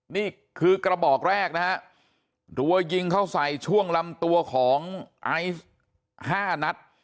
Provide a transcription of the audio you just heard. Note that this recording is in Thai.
นี่คือกระบอกแรกนะฮะรัวยิงเข้าใส่ช่วงลำตัวของไอซ์๕นัด